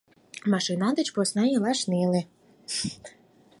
МАШИНА ДЕЧ ПОСНА ИЛАШ НЕЛЕ